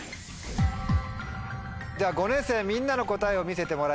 では５年生みんなの答えを見せてもらいましょう。